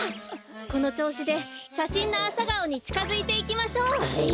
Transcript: このちょうしでしゃしんのアサガオにちかづいていきましょう。